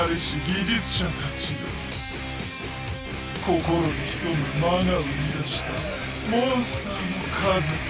心に潜む魔が生み出したモンスターの数々。